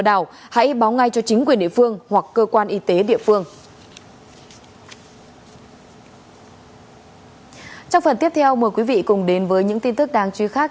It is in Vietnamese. đầu giờ thì như vậy là trước khi vào một cái khu sản xuất